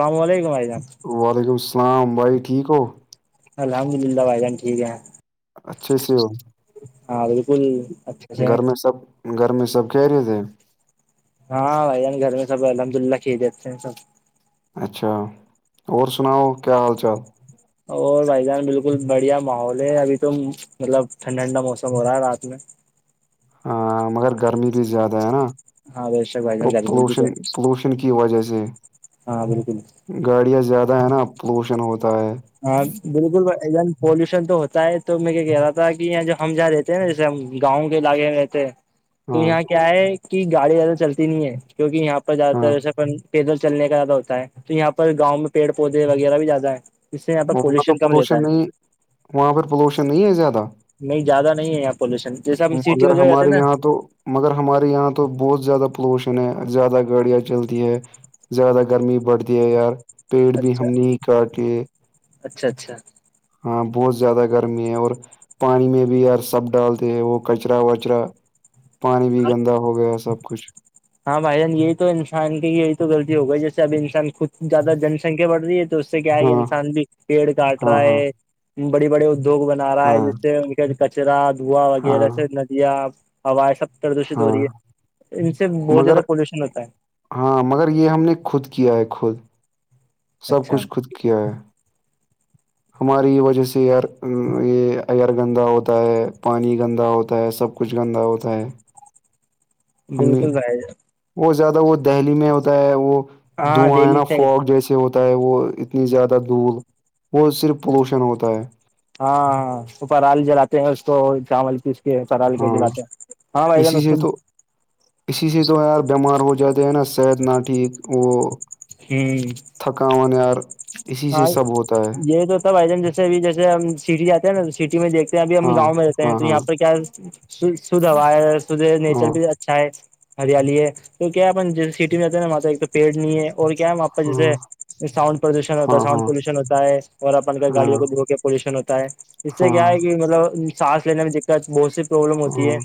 السلام علیکم جان وعلیکم السلام بھائی ٹھیک کو الحمد للہ بھائی جان ٹھیک ہے اچھے سے ہو ہاں بالکل اچھا گرمی سب گرمی سب کیا ری تھ ہے ہاں بھائی جان گھر میں سب الحمد للہ کھے جاتتے ہیں سب اچھا اور سناؤ کیا حال چال اور بھائی جان بالکل بڑھیا ماحول ہے ابھی تو مطلب ٹھنڈا ٹھڈا موسم ہو رہا ہے رات میں ہاں مگر گرمی بھی زیادہ ہے نا ہاں بے شک بھائی جان وہ گرمی بھی تو ہے۔ پولوشن کی وجہ سے ہاں بالکل گاڑیاں زیادہ ہے نا پولوشن ہوتا ہے ہاں بالکلن پولوشن تو ہوتا ہے تو میں کیا کہہ رہا تھا کہ جب ہم جا دیتے نا جیسے ہم گاؤں علاقے میں رہتے ہیں تو ہاں یہاں کیا ہے کہ گاڑی زیادہ چلتی نہیں ہے کیونکہ یہاں پر زیادہ ہاں تر سب پیدل چلنے کا زیادہ ہوتا ہے تو یہاں پر گاؤں میں پیڑ پودے وغیرہ بھی زیادہ ہے اس سے یہاں پر وہاں تو کم رہتا پولوشن ہے نہیں وہاں پ پولوشن نہیں ہے زیادہ نہیں زیادہ نہیں ہے یہاں پولوشن جیسا ہم سٹی مگر وغہ جے ہیں ہمارے نا یہاں تو مگر ہمارے یہاں تو بہت زیادہ پولوشن ہے زیادہ گاڑیاں چلتی ہے زیادہ گرمی بڑھتی ہے یار پیڑ بھی ہم اچھا نے کاٹے اچھا اچھا ہاں بہت زیادہ گرمی ہے اور پانی میں بھی یار سب ڈالتے ہیں وہ کچرا وچرا پانی بھی گندا ہو گیا سب کچھ ہاں بائی جان یہی تو انسان کی یہی توغطی ہو گئی جیسے اب انسان خود زیادہ جنسنکھیا بڑ رہی ہے تو اس سے کیا ہے کہ ہاں انسان بھی پیڑ کاٹ ہاں رہا ہاں ہے بڑی بڑے ادیوگ بنا رہا ہے ہاں جس سے پھر کچرا دھواں ہاں وغیرہ سے ندیاں ہوائیں سب پردوشت ہاں ہو رہی ہے اس بہت مگر زیادہ پولیوشن ہوتا ہے ہاں مگر یہ ہم نے خود کیا ہے خود سب اچھا کچھ خود کیا ہے [inaudible] ہماری یہ وجہ سے ایئر یہ ایئر گندا ہوتا ہے پانی گندا ہوتا ہے سب کچھ گندا ہوتا ہے ہم بالک جائے جا وہ زیادہ وہ دہلی میں ہوتا ہے وہ ہاں دہلی دعائنا سے فوگ جیسے سے ہوتا ہے وہ اتنی زیادہ دھول وہ صرف پولوشن ہوتا ہے ہاں ہاں اپ رال جلاتے ہیں اس کو چاول پیس کرال کے ہاں دلاتے ہاں بھائی جان اسی اس سے تو اسی سے تو یار بیمار ہو جاتے ہیں نا صحت نہ ٹھیک وہ ہوں تھکاان یار اسی سے ہاں سب ہوتا ہے یہ تو سب آ جن جیسےب جیسے ہم سٹی جاتے ہیں نا تو سٹی میں دیکھ اب ہم ہاں گاؤں میں رہتے ہیں ہاں تو ہاں یہاں پر کیا شھ ہا ہے شدھ نیچر ہاں بھی اچ اچھا ہے ہریالی ہے تو کیان جیے سٹی میں آتے ہیں نا مات ایک تو پیڑ نہیں ہے اور کیا جیسے ساؤنڈ پردوشن ہوتا ہاں ساؤنڈ ہاں پولوشن ہوتا ہے اور اپن گاڑیوں ہاں کو دھو کے پولوشن ہوتا ہے اس سے کیا ہاں ہے کہ مطلب سانس لینے میں دقت بہت سی پروابلم ہاں ہوتی ہے ہاں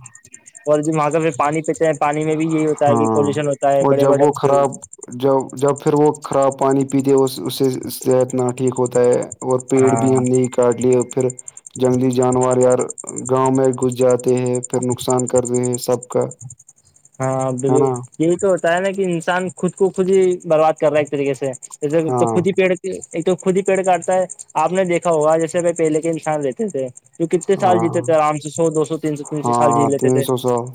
اور جب وہاں کا پھر پانی پہ چ پانی میں بھی یہی ہوتا ہے کہ ہاں پولوشن ہوتا ہے اور بڑے جب بڑے وہ خراب اس جب جب پھر وہ خراب پانی پیتے اس اس سے صحت نہ ٹھیک ہوتا ہے اور پیڑ بھی ہاں ہم نے کاٹ لیے اور پھر جنگلی جانور یار گاؤں میں گھس جاتے ہیں پھر نقصان کرتے ہیں سب کا [unintelligible] ہاں ہے بالل نا یہی تو ہوتا ہے نا کہ انسان خود کو خود ہی برباد کر رہا ہے ایک طریقے سے تو ہاں خود ہی پیڑتی ایک تو خود ہی پیڑ کاٹتا ہے آپ نے دیکھا ہوگا جیسے بائی پہلے کے انسان رہتے تھے تو کتنے سال ہاں جیتے تھے آرام سے سو دو سو تین سو تین سو سال جی ہاں لیتے تین تھے سو سال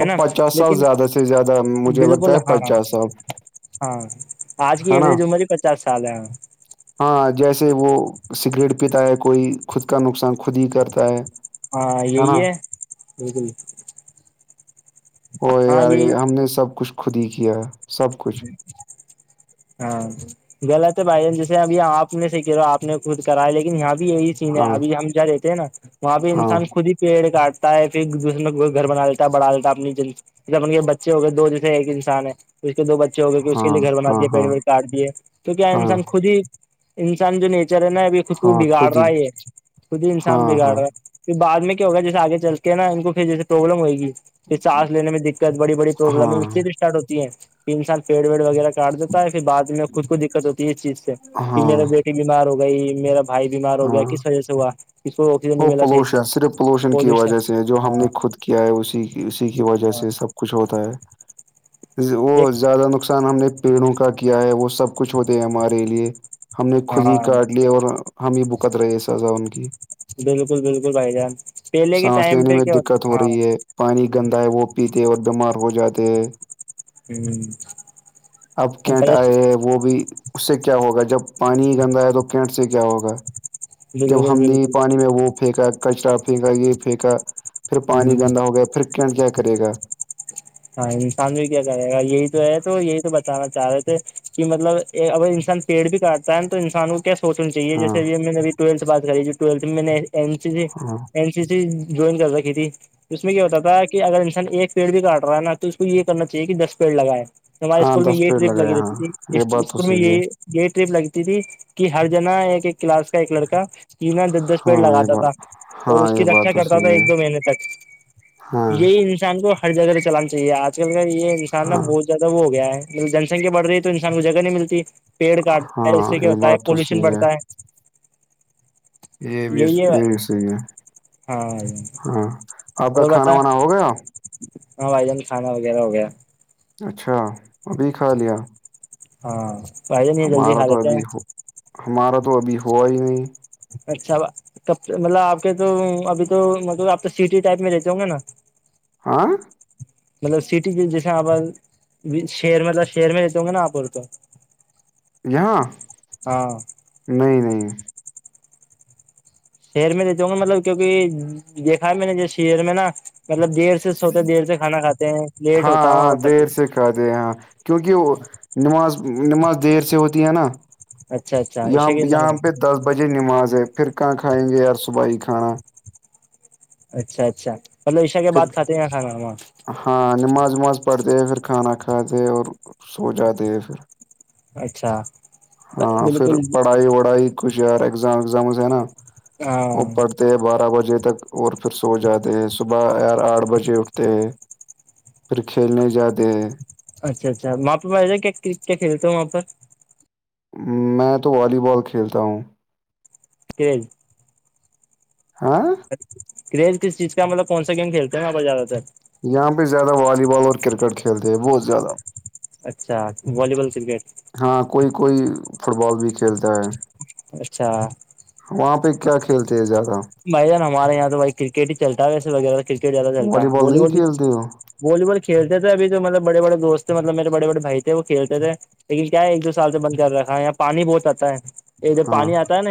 ہے نا اب پچاس سال لیکن زیادہ سے زیادہ مجھے لگتا بالکل ہے ہاں پچاس سال ہاں آج کی ہے نا ایوریج میں مری پچس سال ہے ہاں جیسے وہ سگریٹ پیتا ہے کوئی خود کا نقصان خود ہی کرتا ہے ہاں ہے نا یہی ہو ہاں یار یہی ہم نے سب کچھ خود ہی کیا ہے سب کچھ ہاں غط ہے بھائی جان جیسے اب آپ نے صح کہو آپ نے خود کرا ہے لیکن یہاں بھی یہی ہاں ابھی ہم جہ رہتے ہیں نا وہاں پہ ہاں انسان خود ہی پیڑ کاٹ تا ہے پھر ایک دوسرے میں کو گھر بنا لیتا بڑا لیتا اپنی جن جب اپ بچے ہو گئے دو جیسے ایک انسان ہے دو بچے ہو گئے کہ اس کے ہاں لیے گھر بنا ہاں دیے پیڑ ہاں پیڑ کاٹ دیے تو کیا ہاں انسان خود ہی انسان جو نیچر ہے نا ابھی خود کو ہاں بگاڑ خود رہا ہی ہے خود ہی انسان ہاں بگاڑ ہاں رہا ہے پھر بع میں کیا ہوگ جیے آگے چل کے نا ان کو پھر جیے پروابلم ہو گی پھر سانس لینے میں دقت بڑی بڑی پروابلم اس ہاں لیے اسٹارٹ ہوتی ہے کہ انسان پیڑ ویڑ وغیرہ کاٹ دیتا ہے پھر بد میں خود کو دقت ہوتی ہے اس چیز سے کہ ہاں میرے بیٹی بیمار ہو گئی میرا بھائی بیمار ہو گیا ہاں کس وجہ سے ہوا کس کو آکسیجن نہیں وہ ملا صحیح سے پولوشن صرف پولوشن کی وجہ سے ہے جو ہم نے خود کیا ہے اسی کی اسی کی وجہ ہاں سے سب کچھ ہوتا ہے ایک وہ زیادہ نقصان ہم نے پیڑوں کا کیا ہے وہ سب کچھ ہوتے ہیں ہمارے لیے ہم نے خود ہی ہاں کاٹ لی اور ہم ہی بکت رہے ہیں سزا ان کی بالکل بالکل بھائی جان پہلے کے سانس ٹائم لینے پہ میں کیا دقت ہو ہاں رہی ہے پانی گندا ہے وہ پیتے اور بیمار ہو جاتے ہے ہوں [unintelligible] اب کینٹ آئے ہے وہ بھی اس سے کیا ہوگا جب پانی گندا ہے تو کینٹ سے کیا ہوگا جب بالکل ہم نے بالکل پانی میں وہ پھینکا کچرا پھینکا یہ پھینکا پھر پانی ہ گندا ہو گیا پھر کین کیا کرے گا ہاں انسان بھی کیا کرے گا یہی تو ہے تو یہی تو بتانا چاہ رہے تھے کہ مطلب اگر انسان پیڑ بھی کاٹتا ہے تو انسانوں سونا چاہیے ہاں جیسےب میں نے ابھی ٹیلتھ بات کری جوی ٹویلت میں نے ا س جی ہاں این سی جوائن کر رکھی تھی تو اس میں کیا ہوتا تھا کہ اگر انسان ایک پیڑ بھی کاٹ رہناا تو اس کو یہ کرنا چاہی کہ دس پیڑ لگائیں ہمارے ہاں اسکول میں دس یہی پیڑ ٹرپ لگی لگایا رہتی تھی ہاں یہ بات تو اسکول میں صحیح ہے یہی [unintelligible] یہ ٹرپ لگتی تھی کہ ہر جنا ایک ایک کلاس کا ایک لڑکا [unintelligible] اسکینا دس دس پیڑ ہاں یہ لگاتا تھا بات اور ہاں اس کی یہ بات رکھا تو کرتا تھا صحیح ہے ایک دو مہینے تک ہاں یہی انسان کو ہر جگہ سے چلانا چاہیے آج کل کا یہ انسان نا ہاں بہت ج زیادہ وہ ہو گیا ہے جنیا بڑھ رہی تو انسان کو جگہ نہیں ملتی [unintelligible] پیڑ کاٹتا ہے اس سے ہاں کیا یہ ہوتا ہے بات تو پولوشن صحیح بڑھتا ہے یہ بھی یہی ہے یہ بھی صحی ہے ہاں ہاں آپ کا اور کھانا بتا وانا ہو گیا [unintelligible] ہاں بھائی جان خانا وغیرہ ہو گیا اچھا ابھی کھا لیا ہاں بائی ج نہیں ہے جلدی ہمارا کھا تو لیتے ابھی ہیں ہو ہمارا تو ابھی ہوا ہی نہیں اچھا کب مطلب آپ کے تو ابھی تو مطلب آپ تو سیٹی ٹائپ میں رہتے ہوں گے نا آاں [unintelligible] مطلب سٹی جیسے آپ شہر میںلب شہر میں رہتے ہوں گے نا آپ تو یہاں ہاں نہیں نہیں شیر میں دیتا ہوں گا مطلب کیونکہ دیکھا ہے میں نے ج شر میں نا مطلب دیر سے ہوتے دیر سے کھانا کھے ہیں لیٹ ہوتا ہے وہاں پر سب دے یہاں کیونکہ وہ نماز نماز دیر سے ہوتی ہے نا اچھا اچھا یہاں عشا کے یہاں پہ دس بجے نماز ہے پھر کہاں کھائیں گے یار صبح ہی کھانا اچھا اچھا مطلب عشا کے پھر بد کھاتے ہیں ن کھانااں ہاں نماز وماز پڑھتے ہیں پھر کھانا کھاتے اور سو جاتے ہیں پھر اچھا ہاں پھر بالکل پڑھائی وڑھائی کچھ یار ایگزام ازامز ہے نا ہاں وہ پڑ تے بارہ بجے تک اور پھر سو جاتے ہیں صبح یار آٹھ بجے اٹھتے ہیں پھر کھیلنے زیادہ اچھا اچھا وہاں پہ م کیا کھیلتا ہوں وہاں پر میں تو والی بال کھیلتا ہوں ت ہاں کریز کس چیز کا مطلب کونا گیم کھیلتے ہیں آپ زیادہ تر یہاں پہ زیادہ والی بال اور کرکٹ کھیلتے ہیں بہت زیادہ اچھا ولییبال کرکٹ ہاں کوئی کوئی فٹ بال بھی کھیلتا ہے اچھا وہاں پہ کیا کھیلتے ہیں زیادہ بھائی ج ہمارے یہاں تو بھائی کرکٹ ہی چلتا ہے ویسے وغیرہ کرکٹ زیادہ چلتا ہے والی نہیں بال بھی کھیلتے ہو والی بال کھیلتے تھےب جو مطلب بڑےڑے دوست ملب میرے بڑے بڑے بائی تھے وہ کل تھے لیکن کیا ہے ایک دو سال سے بند کر رکھا ہے یہاں پانی بہت آتا ہے یہ ادھر ہاں پانی آتا ہے نا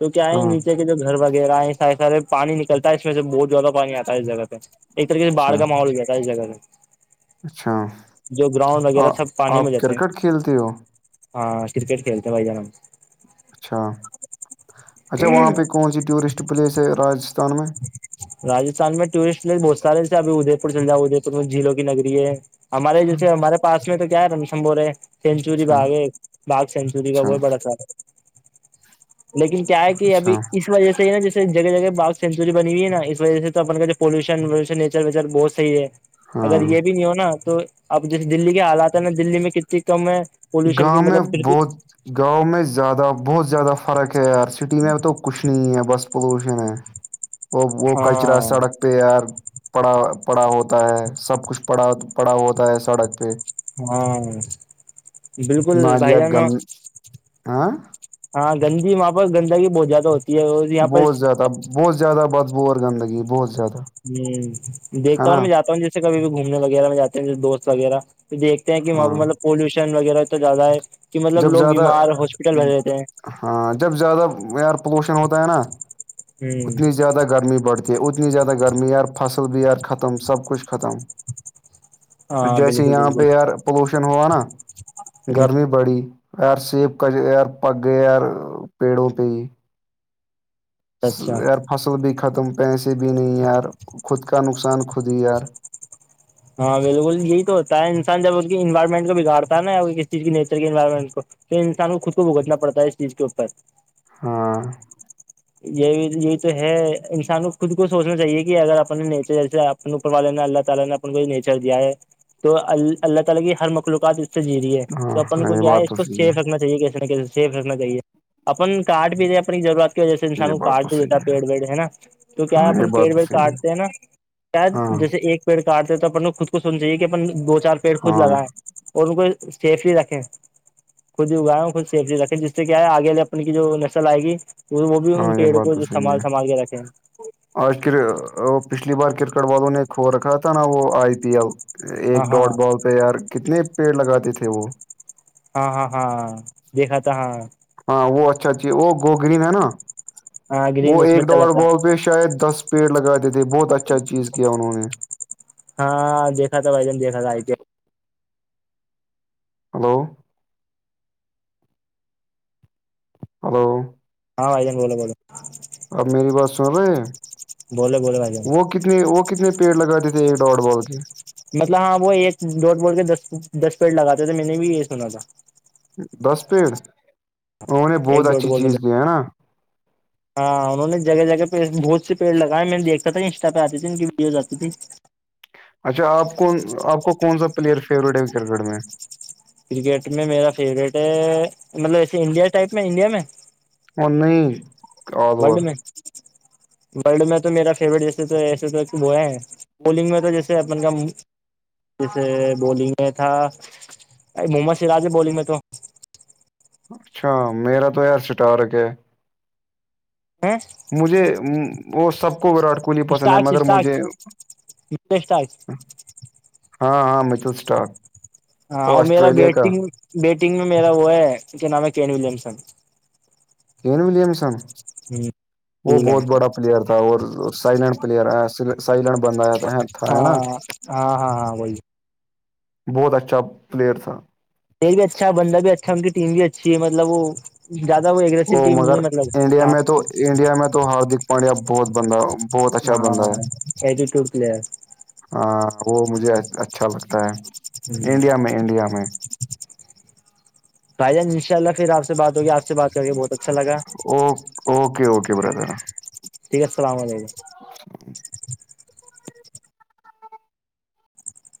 تو کیا ہے ہاں نیچے کے جو گھر والاے سارے پانی نکلتا ہے اس میں سے بہت زیادہ پانی آتا ہے اس جگہ پہ ایک طرح سے باھ اچھا کا ماحول ہو جاتا ہے اس جگہ سے اچھا جو گراؤنڈ وغیرہ آ- سب پانی میں آپ جاتتے ہیں کرکٹ کھیلتے ہو ہاں ک کرکٹ کھیلتے ب جاان ہم اچھا اچھا وہاں پہ کون سی ٹورسٹ پلیس ہے راجستھان میں رجستھان میں ٹورسٹ پلیس بہت سارےسے ابھی ادے پور چلجاؤ ادے پور میں جھیلوں کی نگری ہے ہمارے اچھا جیسے ہمارے پس میں تو کیا ہے رمشن بول رہے ہیں سینچی اچھا بھاگ ہے باگ سینچی کا اچھا وہ بڑا س ہے لیکن کیا ہے کہ ابھی اچھا اس وجہ سے ہی نا جس جگہ جگہ باگ سینچوری بنی ہوئی ہے نا اس وجہ سے تو اپ کا جو پولشنشنیر ویچر بہتحیح ہے اگر ہاں یہ بھی نہیں ہوناا تو اب جس دلی کے حالات ہیں نا دلی میں کتنی کم ہے پولوشن کی گاؤں میں مطلب بہت گاؤں میں زیادہ بہت زیادہ فرق ہے یار سٹی میں ا تو کچھ نہیں ہے بس پولوشن ہے وہ وہ ہاں کچرا سڑک پہ یار پڑا پڑا ہوتا ہے سب کچھ پڑا پڑا ہوتا ہے سڑک پہ ہاں بالکل بھائی جانا آں ہاں گندی وہاں پر گندگ بہت زیادہ ہوتی ہے اور یہاں پر بہت ہ زیادہ بہت زیادہ بدبوور گندگی بہت زیادہ ہوں دیکھ ہے ہوںا نا میں جاتا ہوں جیسے کبھی بھی گھومنے وغیرہ میں جاتا ہوں جیے دوست وغیرہ تو دیکھتے ہیں کہ وہاں پہ ہاں مطلب پولوشن وغیرہ تو زیادہ ہے کہ مطلب جب لوگ زیادہ بیمار ہاسپٹل بھیج رہتے ہیں ہاں جب زیادہ ایئر پولوشن ہوتا ہے نا ہ اتنی زیادہ گرمی بڑتی اتنی زیادہ گرمی یار فصل بھی یار ختم سب کچھ ختم ہاں جیسے بالکل یہاں پہ بالکل ایئر پولوشن ہوا نا گرمی بڑی یار سیب ک یار پگے یار پیڑوں پی اچھا یار فصل بھی ختم پیسے بھی نہیں یار خود کا نقصان خود ہی یار ہاں بالکل یہی توتا ہے انسان جب ا کی انوائرمنٹ کو بگاتا ہے نا کسی چیز کی نیچر کی انوائرمنٹ کو تو انسان کو خود کو بھگتنا پڑتا ہے اس چیز کے اوپر ہاں یہ یہی تو ہے انسان کو خود کو سوچنا چاہیے کہ اگر اپنے نیچے جیسے آپ اوپر والے نے اللہ تعالی نے ان کو ہی نیچر دیا ہے تو اللہ تعالی کی ہر مخلوقات [unintelligible] سے جی رہی ہے ہاں تو اپن ہاں کو یہ کیا ہے بات اس تو کو صحیح سیف رکھنا چاہیے کیسے نہ کیسے سیف رکھنا چاہیے اپن کار بھییے اپنی ضرورت وجہ سے ہے انسان یہ کو بات کاڈ تو بھی دیتا صحیح ہے پیڑ پیڑ ہے نا تو کیا ہے ہاں یہ اپن پیڑ بات تو وڑ صحیح کاٹتے ہے نا شاید ہاں جیسے ایک پیڑ کاٹتے ہیں تو اپن خود کو سننا چاہے کہ اپن دو چار پیڑ خود ہاں لگائیں اور ان کو سیفلی رکھیں خود ہی اگائے خود سیفلی رکھیں جس سے کیا ہے آگے اپنے کی جو نسل آئے گی وہ بھی ان ہاں پیڑ یہ بات کو تو جو صحیح ہے سنبال سنبھال کے رکھیں آج کے پچھلی بار کرکٹ والوں نےھ رکھا تھا نا وہ آئی پی ایل ایک ہاں ہاں ڈڈ باال پہ یار کتنے پیڑ لگاتے تھے وہ ہاں ہاں ہاں دیکھا تھا ہاں ہاں وہ اچھا اچھی ہے وہ گوگرین ہے نا ہاں گرین وہ اس ایک میں چلا ڈاڈ تھا بالال پہ شاید دس پیڑ لگا دیے تھے بہت اچھا چیز کیا انہوں نے ہاں دیکھا تھاا بھ جن دیکھا تھاا آئیکے ہلو ہلو ہاں وائی جن بولو بولو آپ میری بات سن رہے بولو بولو بھائی جان وہ کتنے وہ کتنے پیڑ لگاتے تھے ایک ڈڈ بال کے مطلب ہاں وہ ایک ڈٹ بول کے دس دس پیٹ لگاتے تھے میں نے بھی یہ سنا تھا دس پیڑ انہوں نے بہت ایک ڈوٹ اچھی بول کے چیز کیا ہے نا ہاں انہوں جگہ جگہ پہ بہت سے پیڑ لگائے میں دیکھتا تھا انسٹا پہ آتے تے ان کی ویڈیوز آتی تھی اچھا آپ کون آپ کو کون سا پلیئر فیوریٹ ہے کرکٹ میں کرکٹ میں میرا فیوریٹ ہے مطلب ایسے انڈیا ٹائپ میں انڈیا میں اوری لڈ میں لڈ میں تو میرا فیورٹ جیسے تو ایسے تو کہ بوئے ہیں بولنگ میں تو جیسے اپن کا جیسے بولنگ میں تھا ا محمد سراج ہے بولنگ میں تو اچھا میرا تو یار سٹار کیا ہے ہ مجھے وہ سب کو وراٹ ہی پسند ہے اسٹارک مگر اسٹارک مجھے اسٹارک ہاں ہاں مچل اسٹاک ہاں وہ اور میرا آسٹریلیا کا بیٹنگ بیٹنگ میں میرا وہ ہے کیا نام ہے کین ولیمسن کین ولیمسن وہ بہت بڑا پلیئر تھا اور سائیلینٹ پلیئر آیا سائیلینٹ بند آیا ہاں ہاں ہاں ہاں وہی بہت اچھا پلیئر تھا پ بھی اچھا بند بھی اچھا ان کی ٹیم بھی اچھی ہے مطلب وہ زیادہ وہ اگریسو ٹیم نہیں مگر ہے مطلب انڈیا میں ساتھ تو کی انڈیا میں تو ہاردک پانڈیا بہت بند ہاں ہاں وہ مجھے اچھا لگتا ہے انڈیا میں انڈیا میں بھائی جان ان شاء اللہ پھر آپ سے بات ہوگی آ سے بات کر کے بہت اچھا لگا اوک اوکے اوکے بردر ٹھیک السلام علیکم [inaudible]